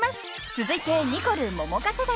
［続いてニコル・桃華世代］